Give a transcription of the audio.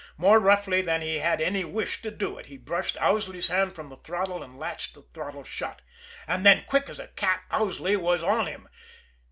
More roughly than he had any wish to do it, he brushed Owsley's hand from the throttle and latched the throttle shut. And then, quick as a cat, Owsley was on him.